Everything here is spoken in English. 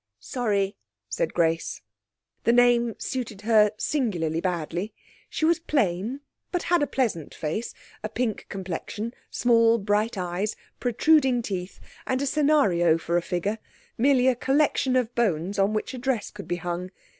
'Sorry,' said Grace. The name suited her singularly badly. She was plain, but had a pleasant face, a pink complexion, small bright eyes, protruding teeth and a scenario for a figure, merely a collection of bones on which a dress could be hung.